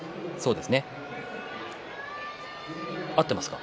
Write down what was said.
合っていますね。